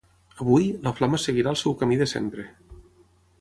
Avui, la flama seguirà el seu camí de sempre.